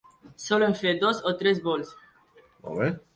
Solen fer dos o tres bols.